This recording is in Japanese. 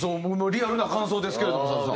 リアルな感想ですけれども斎藤さん。